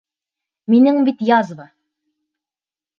Минең бит язва.